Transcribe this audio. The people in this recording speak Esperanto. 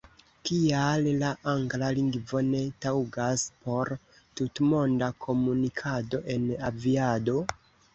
Kial la angla lingvo ne taŭgas por tutmonda komunikado en aviado?